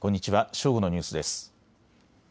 正午のニュースです。